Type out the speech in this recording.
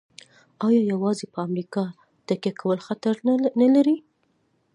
آیا یوازې په امریکا تکیه کول خطر نلري؟